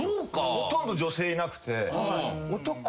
ほとんど女性いなくて。